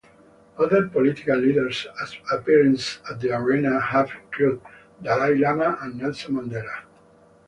Other political leaders appearances at the arena have included Dalai Lama and Nelson Mandela.